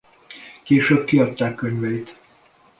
Később kiadták könyveit.